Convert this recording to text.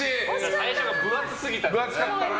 最初が分厚すぎたんだな。